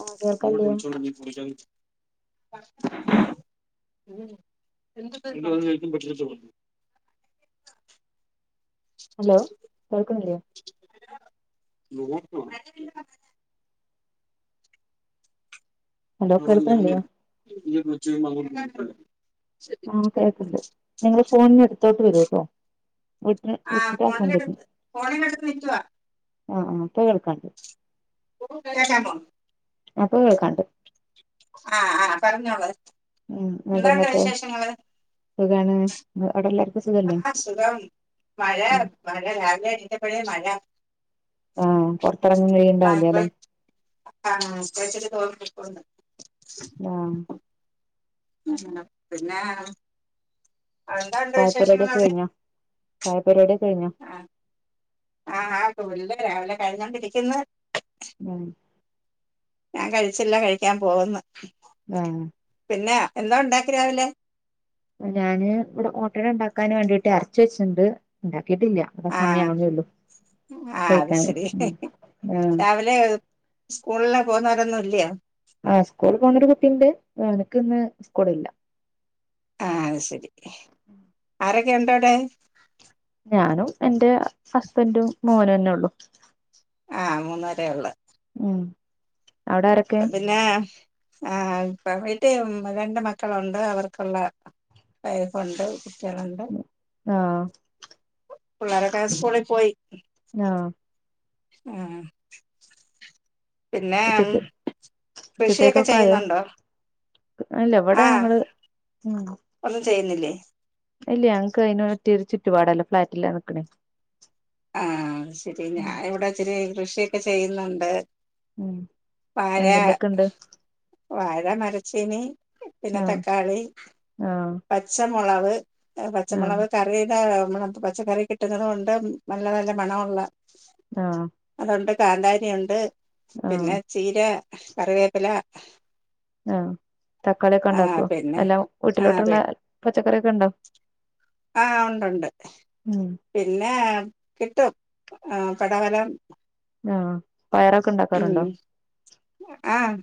ആഹ് കേൾക്കല്ലേ [inaudible] hello കേൾക്കണില്ലേ [inaudible] hello കേൾക്കണില്ലേ [unintelligible] ആ കേക്ക്ണ്ട് നിങ്ങള് ഫോണിന് അടുത്തോട്ട് വരൂട്ടോ വിട്ട [unintelligible] ഫോണിലെടുത്ത് ഫോണിലെടുത്ത് നിക്കുവാ ആ അപ്പൊ കേൾക്കാൻ പറ്റും. [unintelligible] അപ്പൊ കേൾക്കാണ്ട്. ആഹ് ആഹ് പറഞ്ഞോളൂ. ഉം നിട്ട് എന്താണ്ട് എന്തൊക്കെ വിശേഷങ്ങള് സുഖാണ് അവിടെല്ലാർക്കും ആ സുഖം മഴ ഉം രാവിലെ ഏണീറ്റപ്പളെ മഴ ആഹ് പുറത്തിറങ്ങാൻ ആ ഇപ്പൊ കയിണ്ടാവില്ലല്ലെ [unintelligible] ആഹ് ഉം പിന്നെ എന്താണ്ട് ചായ വിശേഷങ്ങൾ പരിവാടിക്കെ അവിടെ കഴിഞ്ഞോ ചായ പരിവാടിക്കെ കഴിഞ്ഞോ ആഹ് ആഹ് [unintelligible] രാവിലെ കഴിഞ്ഞോണ്ടിരിക്കുന്നു. ഉം ഞാൻ കഴിച്ചില്ല കഴിക്കാൻ പോകുന്നു. ഉം പിന്നേ എന്തോ ഒണ്ടാക്കി രാവിലെ ഞാന് ഇവിടെ ഓട്ടട ഇണ്ടാക്കാൻ വേണ്ടിട്ട് എറച്ചി വെച്ചിട്ടുണ്ട് ഉണ്ടാക്കിയിട്ടില്ല ഇവിടെ ആഹ് സമയാവുന്നേ ഉള്ളൂ ആഹ് അത് കഴിക്കാന് ശരി ഉം ആഹ് രാവിലെ സ്കൂളിലെ പോന്നാരൊന്നും ഇല്യോ ആഹ് സ്കൂൾ പോണ് ഒരു കുട്ടിയുണ്ട്, എനക്ക് ഇന്ന് സ്കൂളില്ല. ആഹ് അത് ശരി, ആരൊക്കെ ഉണ്ടോ അവിടെ? ഞാനും എന്റെ ഹുസ്ബൻഡും മോനും തന്നെ ഉള്ളു. ആഹ് മൂന്ന് പേരെയുള്ളൂ. ഉം അവിടെ ഉം ആരൊക്കെ അപ്പൊ പിന്നെ. ആഹ് ഇപ്പൊ വീട്ടിൽ രണ്ട് മക്കളുണ്ട്, അവർക്കുള്ള. വൈഫുണ്ട് കുട്ടികളുണ്ട്. ആഹ് പിള്ളേരൊക്കെ സ്കൂളിൽ പോയി. ആഹ് ആഹ് [unintelligible] പിന്നെ ഉം ഉച്ചക്ക് കൃഷിയൊക്കെ ചെയ്യുന്നുണ്ടോ അല്ല ഇവടെ ആ ഞങ്ങള് ഉം ഒന്നും ചെയ്യുന്നില്ലേ ഇല്യ ഞങ്ങക്ക് ഐന്പറ്റ്യാരു ചുറ്റുപാടല്ല ഫ്ളാറ്റില നിക്ക്ണേ ആഹ് ശരി ഉം ഞാൻ ഇവിടെ ഇച്ചിരി കൃഷിയൊക്കെ ചെയ്യുന്നുണ്ട്. ഉം വാഴാ എന്തിന്റെക്കെ ഇണ്ട് വാഴ മരച്ചീനി പിന്നെ ആഹ് തക്കാളീ ആഹ് പച്ചമുളവ് ആഹ് പച്ചമുളക് ത ഇവിടെ നമ്മള് നട്ട പച്ചക്കറി കിട്ടുന്ന ഇടം ഉണ്ട്, നല്ല നല്ല മണമുള്ള. ആഹ് അതുണ്ട് കാന്താരിയുണ്ട്, ആഹ് പിന്നെ ചീര, കറിവേപ്പില. ആഹ് തക്കാളിയൊക്കെ ആ ഉണ്ടാക്കുവോ പിന്നെ എല്ലാം. ആ വീട്ടിലോട്ടുള്ള പച്ചക്കറിയൊക്കെ ഉണ്ടോ, ആ ഉണ്ടുണ്ട് ഉം. പിന്നെ കിട്ടും ആഹ് പടവലം. ആഹ് പയറുയൊക്കെ ഉണ്ടാക്കാറുണ്ടോ? ആഹ്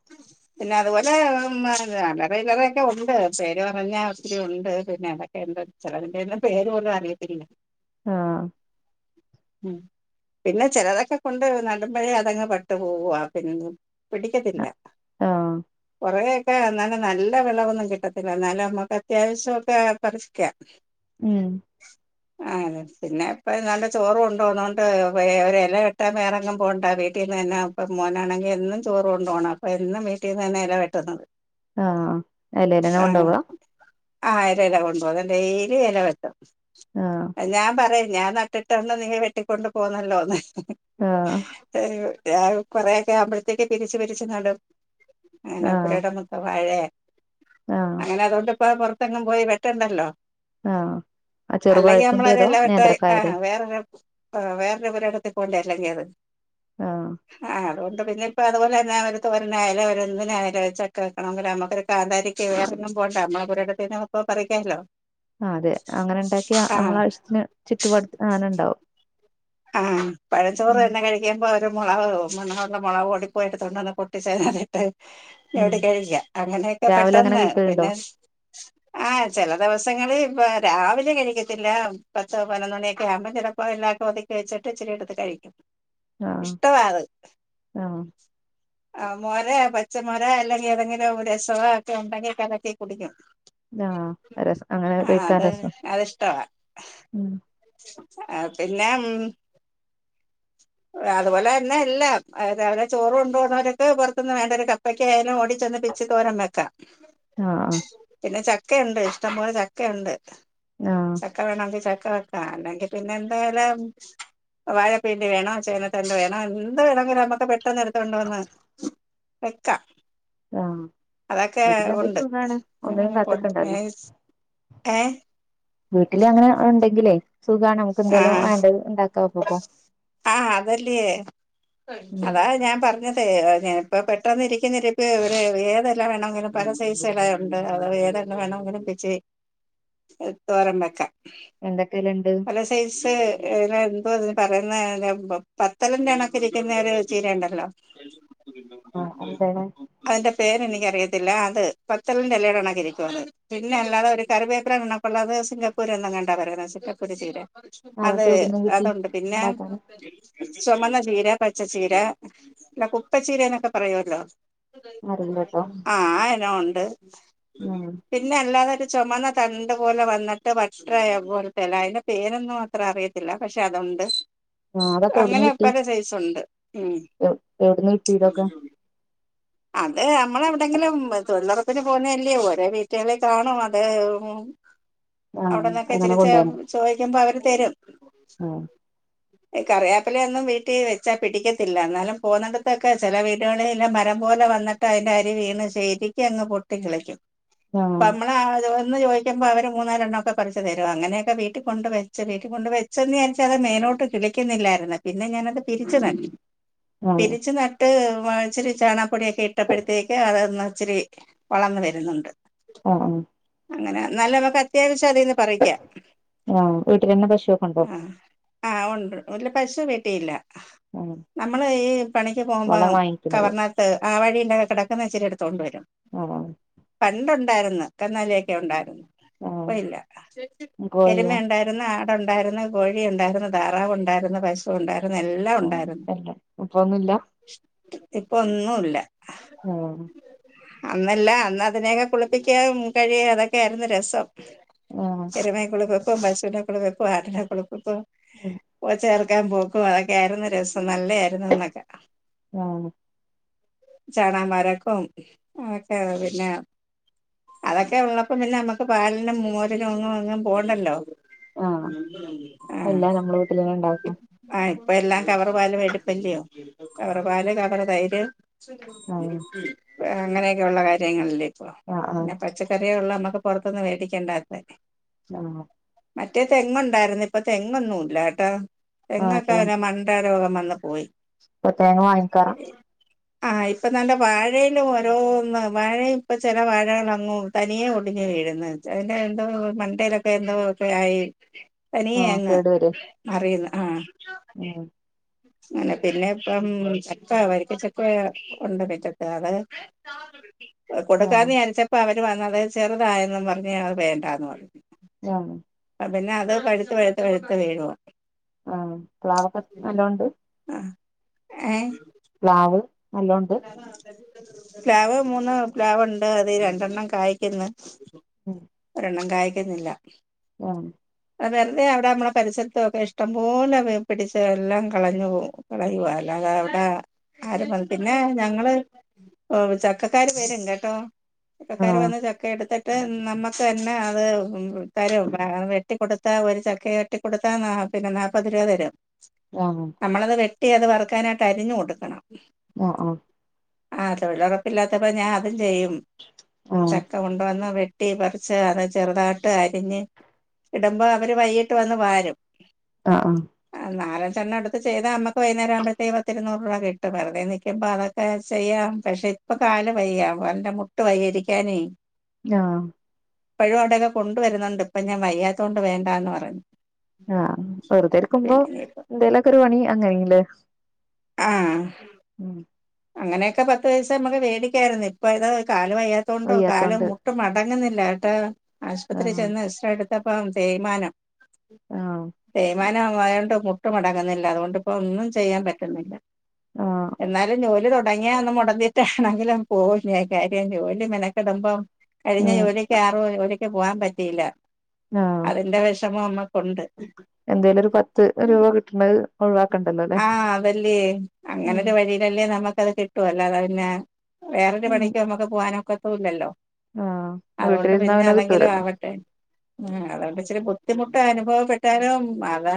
[inaudible] പിന്നെ അതുപോലെ അല്ലറ ചില്ലറൊക്കെ ഉണ്ട് പേര് പർഞ്ഞാ ഒത്തിരി ഉണ്ട് പിന്നെ അതൊ എന്ത ചെലതിന്റൊന്നും പേര് പോലും അറിയത്തില്ല ആഹ് ഉം പിന്നെ ചെലതൊക്കെ കൊണ്ട് നടുമ്പഴേ അതങ്ങ് പട്ട് പോവുവ പിന്നെ പിടിക്കത്തില്ല ആഹ് കുറേ ഒക്കെ എന്നാലും നല്ല വെളവൊന്നും കിട്ടത്തില്ല എന്നാലും നമുക്ക് അത്യാവശ്യൊക്കെ പറിക്കാ [inaudible] ഉം ആഹ് അതെ പിന്നെപ്പ നല്ല ചോറ് കൊണ്ടോന്നോണ്ട് ഒരെല വെട്ടാൻ വേറെങ്ങും പോണ്ട വീട്ടീന്നന്നെ ഇപ്പം മോനാണെങ്കി എന്നും ചോറ് കൊണ്ടോണം അപ്പൊ എന്നും വീട്ടീന്നന്നെ എല വെട്ടുന്നത് ആഹ് എലേലെന്നെ ആഹ് കൊണ്ടോവാ ആഹ് ഏലേലാ കൊണ്ടോവാ ഡെയിലി എല വെട്ടും ആഹ് ഞാൻ പറിയും ഞാൻ നട്ടിട്ട് അവ്ട്ന്ന് നീ വെട്ടിക്കൊണ്ട് പോന്നല്ലോന്ന് ആഹ് ഏഹ് കൊറേ ഒക്കെ ആവുമ്പഴത്തേക്ക് പിരിച്ച് പിരിച്ച് നടും അങ്ങനെ ആഹ് പൊരയിടം മൊത്തം വാഴെ ആഹ് അങ്ങനെ അതുകൊണ്ട് ഇപ്പോ പൊറത്തെങ്ങും പോയി വെട്ടണ്ടല്ലോ ആഹ് ആ അല്ലെങ്കി ചെറുപഴത്തിന്റേതോ നമ്മളൊരെല വെട്ടാ നേന്ത്രക്കായയുടെ ആഹ് വേറൊരാ ആഹ് വേറൊര് പൊരയിടത്തി പോണ്ടേ എറങ്ങേറ് ആഹ് ആഹ് അതോണ്ട് പിന്നെ ഇപ്പ അതുപോലന്ന അവര് തോരനായാലും ഒരു ന്തിനായാലും ഒര് ചക്ക വെക്കണോങ്കില് നമ്മക്കൊര് കാന്താരിക്ക് വേറെങ്ങും പോണ്ട. നമ്മള പൊരേടത്തീന്ന് പ്പോ പറിയ്ക്കാല്ലോ ആഹ് അതെ അങ്ങന ഉണ്ടാക്കിയാ നമ്മള വശ്യത്തിന് ചുറ്റുപടുത്ത് ആന ഉണ്ടാവും ആഹ് പഴഞ്ചോറ് ഉം തന്നെ കഴി ചെയ്യമ്പോ ഒര് മൊളക് മണമൊള്ള മൊളവ് ഓടി പോയിട്ട് തൊണ്ടുവന്ന് പൊട്ടിച്ചതിനകത്തിട്ട് ഉം വിടെ കഴിക്കാ അങ്ങനെയൊക്കെ രാവിലെ അങ്ങനെ പെട്ടെന്ന് കഴിക്കലുണ്ടോ പിന്നെ ആഹ് ചെല ദെവസങ്ങള് ഇപ്പ രാവിലെ കഴിക്കത്തില്ല പത്തൊ പതിനൊന്ന് മണിയൊക്കെ ആകുമ്പം ചെലപ്പോ എല്ലാക്കൊതി വേവിച്ചിട്ട് ഇച്ചിരി എടുത്ത് കഴിക്കും. ആഹ് ഇഷ്ടവാ അത് ആഹ് ആഹ് മോരേ പച്ചമോരേ അല്ലെങ്കി ഏതെങ്കിലും രസവാ ഒക്കെ ഒണ്ടെങ്കി കലക്കി കുടിക്കും. ആഹ് രസ അങ്ങനെ ആ കഴിക്കാൻ അത് രസം ഉം അഹ് പിന്നേം [inaudible] അതുപോലെന്നെ എല്ലാം അത് അവരെ ചോറ് കൊണ്ട് പോണോരൊക്കെ പൊറത്തുന്ന് വേണ്ട ഒരു കപ്പക്ക ആയാലും ഓടി ചെന്ന് പി ച്ച് തോരൻ വെക്കാം അ ആഹ് പിന്നെ ചക്കയുണ്ട് ഇഷ്ടംപോലെ ചക്കയുണ്ട് ആഹ് ചക്ക വേണോങ്കി ചക്ക അല്ലെങ്കി പിന്നെ എന്തായലും വാഴപ്പിണ്ടി വേണോ ചേനത്തണ്ട് വേണോ എന്ത് വേണോങ്കിലും നമ്മക്ക് പെട്ടെന്ന് എടുത്ത് കൊണ്ട് വന്ന് [inaudible] വെക്കാ ആഹ് അതക്കെ വീട്ടിലുണ്ടെങ്കി ഒണ്ട് സുഖാണ് ഒന്നിനും [unintelligible] കാത്ത്ക്കണ്ടല്ലോ ഏഹ് വീട്ടില് അങ്ങനെ ഉണ്ടെങ്കിലേ സുഖാണ് നമുക്ക് എന്തേലും ആ വേണ്ടത് ഉണ്ടാ ആഹ് അതല്ലേ ഉം അതാ ഞാൻ പറഞ്ഞത് തെ അത് ഞാനിപ്പ പെട്ടെന്ന് ഇരിക്കുന്ന ഇരിപ്പ് പിന്നെ ഏതെല വേണമെങ്കിലും പല സൈസ് എല ഒണ്ട് അതോ വേത ന്ന് വേണോങ്കിലും പ്പിച്ച് [inaudible] ത് തോരൻ വെക്കാം എന്തക്കലുണ്ട് പല സൈസ് എല ഇപ്പ തിന് പറയുന്ന എലാവുമ്പോ പത്തല്ന്റെ കണക്ക് ഇരിക്കുന്നേര് ചീര ഒണ്ടല്ലോ ആഹ് എന്താണ് അതിന്റെ പേര് എനിക്കറിയത്തില്ല അത് പത്തല്ന്റെ എലേ കണക്കിരിക്കും അത് പിന്നെ അല്ലാതെ ഒരു കറിവേപ്പില നിന്നപ്പൊള്ളത് സിംഗപ്പൂര്ന്ന്ങ്ങണ്ടാ പറയണ് സിംഗപ്പൂര് ചീര അതെ അതൊക്കെ എവിടുന്ന് കിട്ടി അതൊണ്ട് പിന്നെ ഉണ്ടാക്കാന് ചൊമന്നചീര, പച്ചച്ചീര പിന്ന കുപ്പച്ചീര എന്നൊക്കെ പറയോല്ലോ അറിയില്ലട്ടോ ആഹ് ആ എനോം ഒണ്ട് ഉം പിന്നെ അല്ലാതെ ഒരു ചൊമന്ന തണ്ട് പോലെ വന്നിട്ട് വട്ട്റായ പോലത്തെ എല അതിന്റെ പേരൊന്നു അത്ര അറിയത്തില്ല പക്ഷെ അതൊണ്ട് ആഹ് അതൊക്ക എവിട്ന്ന് കിട്ടി. ഉം എവ് എവിട്ന്ന് കിട്ടി ഇതൊക്കെ [inaudible] അത് അമ്മള് എവിടെയെങ്കിലും തൊഴിലൊറപ്പിന് പോകുന്ന അല്ലേയോ ഓരോ വീട്ടേളെ കാണും അത് ഉം ആഹ് അവിടന്നക്കെ അങ്ങനെ ഇച്ചിരിച്ചെ കൊണ്ടുവരണം ചോയിക്കമ്പ അവര് തരും ആഹ് ഈ കറിയാപ്പില ഒന്നും വീട്ടീ വെച്ചാ പിടിക്കത്തില്ല എന്നാലും പോക്ന്നട്ത്തൊക്കെ ചെല വീട്കളിലും മരം പോലെ വന്ന് ട്ട് അതിന്റെ അരി വീണ് ശരിക്ക് അങ്ങ് പൊട്ടി കിളിക്കും ആഹ് പ്പമ്മൾ ആഹ് അത് ഒന്ന് ചോയ്ക്കമ്പ അവര് മൂന്നാലെണ്ണോക്ക പറിച്ച് തരും അങ്ങനെയൊക്കെ വീട്ടി കൊണ്ട് വെച്ച് വീട്ടി കൊണ്ട് വെ ച്ചന്ന് വിചാരിച്ച് അത് മേലോട്ട് കിളിക്കുന്നില്ലായിരുന്ന് പിന്നെ ഞാനത് പിരിച്ച് നട്ട് ആഹ് പിരിച്ചു ന ഇട്ട് വ ഇച്ചിരി ചാണകപ്പൊടിയൊക്കെ ഇട്ടപ്പഴത്തേക്ക് അതൊന്ന് ഇച്ചിരി വളന്ന് വരുന്നുണ്ട് ആഹ്- ആഹ് അങ്ങനെ നല്ല നമക്ക് അത്യാവശ്യം അതീന്ന് പറിയ്ക്കാം ആഹ് വീട്ടിലന്നെ പശു ആ- ആഹ് ഒണ്ട് ഓല്ല പശു വീട്ടിയില്ല ആഹ് നമ്മള് ഈ പണിക്ക് വളം പോകുമ്പം വാങ്ങിക്കണത് കവറിനാത് ട്ട് ആ വഴിയെല്ലാം കെടക്കുന്ന ഇച്ചിരി എടുത്തോണ്ട് വരും ഉം പണ്ടൊണ്ടായിരുന്ന് കന്നാലിയൊക്കെ ഒണ്ടായിരുന്ന് ആഹ് ഇപ്പ ഇല്ല എരുമ കോഴിയോ ഉണ്ടായിരുന്ന് ആടൊ ഒണ്ടായിരുന്ന് കോഴി ഒണ്ടായിരുന്ന് താറാവു ഒണ്ടായിരുന്ന് പശു ഇപ്പ ഒണ്ടായിരുന്ന് എല്ലാ ആഹ് ഒണ്ടായിരുന്ന് എല്ലാം ഇപ്പൊന്നുല്ല ഇപ്പൊ ഒന്നും ഇല്ല ആഹ് അന്നല്ല അന്നതിനെയൊക്കെ കുളിപ്പിക്കാം കഴിയ അതൊക്കെ ആയിരുന്നു രസം ആഹ് എരുമെ കുളിപ്പിപ്പ് പശൂനെ കുളിപ്പിപ്പ് ആടിനെ കുളിപ്പിപ്പ് ഉം പോച്ച അറ്ക്കാൻ പോക്കും ഓ അതൊക്കെ ആയിരുന്ന് രസം നല്ല ആയിരുന്നു അന്നൊക്കെ ആഹ് ചാണാം വാരക്കോം അതൊക്കെ വര്ന്ന് പിന്നെ അതൊക്കെ ഉള്ളപ്പോ പിന്നെ നമ്മുക്ക് പാലിനും മോരിനും ഒന്നും എങ്ങും പോണ്ടല്ലോ ആഹ് ആഹ് എല്ലാം നമ്മള വീട്ടിലന്നെ ഉണ്ടാക്കാം ആഹ് ഇപ്പ എല്ലാം കവറ് പാല് വേടിപ്പല്ലിയോ കവറ് പാല് കവറ് തൈര് ആഹ് പ അങ്ങനെയൊക്കേള്ള കാര്യങ്ങളല്ലേ ഇപ്പൊ ആഹ് ആഹ് പിന്നെ പച്ച ച്ചക്കറിയെ ഉള്ളൂ അമ്മക്ക് പൊറത്തൊന്ന് വേടിക്കേണ്ടാത്തെ ആഹ് മറ്റേ തെങ്ങൊണ്ടായിരുന്നു ഇപ്പൊ തെങ്ങൊന്നും ഇല്ല കേട്ടോ ആഹ് തെങ്ങൊക്കെ തേ പിന്നെ മണ്ട ട്ടാ രോഗം വന്ന് പോയി ഇപ്പ തേങ്ങ വാങ്ങിക്കാ ആഹ് ഇപ്പ നല്ല വാഴേലും ഓരോന്ന് വാഴ ഇപ്പ ചില വാഴകൾ അങ്ങും തനിയെ ഒടിഞ്ഞ് വീഴ്ന്ന് ച അതിന്റെ എന്തോ മണ്ടേലൊക്കെ എന്തോക്കെ ആയി തനിയെ ആഹ് അങ്ങ് കേട് വരെ മറിയുന്ന് ആഹ് ഉം അങ്ങനെ പിന്നെ ഇപ്പം ചക്ക വരിക്കച്ചക്ക ഒണ്ട് മിറ്റത്ത് അത് [unintelligible] ആഹ് കൊടുക്കാന്ന് വിചാരിച്ചപ്പോ അവര് വന്നത് ചെറുതായെന്നും പറഞ്ഞ് അത് വേണ്ടാന്ന് പറഞ്ഞു ജം ഇപ്പ പിന്നെ അത് പഴുത്ത് പഴുത്ത് പഴുത്ത് വീഴുവാ ആ പ്ലാവൊക്കെ നല്ലോണ്ട് ആഹ് ഏഹ് പ്ലാവ് നല്ലോണ്ട് പ്ലാവ് മൂന്ന് പ്ലാവൊണ്ട് അതി രണ്ടെണ്ണം കായ്ക്ക്ന്ന് ഒരെണ്ണം കായിക്കുന്നില്ല ഉം അത് വെറുതെ അവിടെ നമ്മടെ പരിസരത്തൊക്കെ ഇഷ്ടംപോലെ വേ പിടിച്ച് എല്ലാം കളഞ്ഞു പോവും കളയുവാ അല്ലാതെ അവിടെ ആരും വന്ന് പിന്നെ ഞങ്ങള് ഓഹ് ചക്കക്കാര് വരും കേട്ടോ ചക്കക്കാര് വന്ന് ആഹ് ച ക്ക എടുത്തിട്ട് നമ്മക്ക് തന്നെ അത് ഉം തരും വ വെട്ടിക്കൊടുത്താ ഒരു ചക്കയൊ ട്ടി കൊടുത്താ നാ പിന്നെ നാപ്പത് രൂപ തരും ആഹ് നമ്മളത് വെട്ടി അത് വറുക്കാനായിട്ട് അരിഞ്ഞു കൊടുക്കണം ആഹ് ആഹ് ആഹ് തൊഴിലുറപ്പില്ലാത്തപ്പോ ഞാൻ അതും ചെയ്യും ആഹ് ചക്ക കൊണ്ടുവന്ന് വെ ട്ടി പറിച്ച് അത് ചെറുതാട്ടരിഞ്ഞ് ഇടുമ്പോ അവര് വൈകീ ട്ട് വന്ന് വാരും ആഹ് ആഹ് നാലഞ്ചെണ്ണടുത്ത് ചെയ്താ നമ്മക്ക് വൈകുന്നേരാവുമ്പഴത്തേ പത്ത് ഇരുനൂറ് രൂപാ കിട്ടും വെറുതെ നി ക്ക്യുമ്പം അതൊക്കെ ചെയ്യാ പക്ഷേ ഇപ്പൊ കാല് വയ്യാ കാല്ന്റെ മുട്ട് വയ്യാ ഇരിക്കാനേ ആഹ് ഇപ്പഴും അവിടെയൊക്കെ കൊണ്ടുവരുന്നുണ്ട് ഇപ്പ ഞാൻ വയ്യാത്തോണ്ട് വേണ്ടാന്ന് പറയും ആഹ് വെറുതെ ഇര്ക്കുമ്പോ എന്തേലൊക്കെ ഒരു പണി അങ്ങനീല്ലേ ആഹ് അങ്ങനെയൊക്കെ പത്ത് പൈസ അമ്മക്ക് വേടിക്കാര്ന്നെ ഇപ്പോ ഇതാ കാല് വയ്യാ ത്തോണ്ടും കാല് വയ്യാത്തോണ്ട് മുട്ട് മടങ്ങ്ന്നില്ലാട്ടൊ ആശുപത്രി ആഹ് ചെന്ന് എക്സ്റെടു ത്തപ്പം തേയ്മാനം ആഹ് തേയ്മാനം ആയോണ്ട് മു ട്ട് മടങ്ങ്ന്നില്ല അതുകൊണ്ട്പ്പോ ഒന്നും ചെയ്യാൻ പറ്റുന്നില്ല ആഹ് എന്നാലും ജോലി തൊ ടങ്ങിയാ ഒന്ന് മൊടന്തീട്ട് ആണെങ്കിലും പോവും ഞാൻ കാര്യം ജോലി മെനക്കെടുമ്പം കഴിഞ്ഞ ഉം ജോലി ക്ക്യവാറും ജോ ജോലിക്ക് പോവാൻ പറ്റിയില്ല ആഹ് അതിന്റെ വെഷമം അമ്മക്കുണ്ട് ഉം എന്തേലൊരു പത്ത് രൂപ കിട്ടണത് ഒഴിവാക്കണ്ടല്ലോല്ലേ പ്പല്ല്യേ അങ്ങനൊരു വഴിയിലല്ലേ നമ്മക്കത് കിട്ടൂ അല്ലാതെ പിന്നെ വേറൊരു ഉം പണിക്ക് നമ്മക്ക് പോവാനൊക്കത്തു ഇല്ലല്ലോ ആഹ് അതോണ്ട് വീട്ടിലിരുന്നാ പിന്നെ അതെങ്കിലും കിട്ടൂലല്ലോ ആവട്ടെ ഉം അതുകൊണ്ട് ഇച്ചിരി ബുദ്ധിമുട്ട് അനുഭവപ്പെട്ടാലും അതാ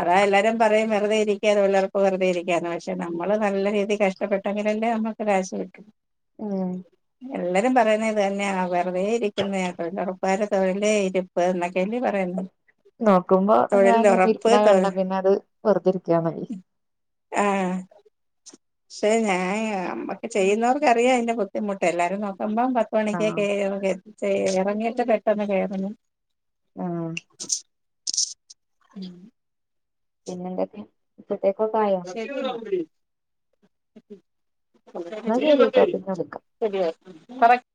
അതാ എല്ലാരും പറയും വെറുതെ ഇരി ക്ക്യാനുള്ളവർക്ക് വെറുതെ ഇരിക്ക്യാന്ന് പക്ഷേ നമ്മള് നല്ല രീതി കഷ്ടപ്പെട്ടെങ്കിലല്ലേ നമ്മക്ക് ക്യാഷ് കിട്ടൂ ഉം എല്ലെരും പറയുന്നേ ഇതന്നെയാ വെറുതെ ഇരിക്കിന്നെ തൊഴിലുറ പ്പാര് തൊഴിലേ ഇരിപ്പ് എന്നൊക്കെല്ലേ പറയുന്നേ നോക്കുമ്പോ ഞാന് [unintelligible] ഇരിക്കണ തൊഴി കണ്ടാ പിന്നെ അത് വെറുതിരിക്ക്യാന്നറിം ആഹ് ക്ഷേ ഞാനാ അമ്മക്ക് ചെയ്യ്ന്നവർക്കറിയാ അയിന്റെ ബുദ്ധിമുട്ട് എല്ലാരും നോക്കുമ്പം പ ആഹ് പണിക്കക്കേ [unintelligible] ചെയ് എറങ്ങീട്ട് പെട്ടെന്ന് കേറുന്നു ആഹ് ഉം പിന്നെ എന്തൊക്കേ ഇപ്പത്തേക്കൊക്കായോ [inaudible] എന്നാ ശരിട്ടോ പിന്നെ വിളിക്കാം [unintelligible]